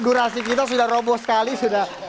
durasi kita sudah roboh sekali sudah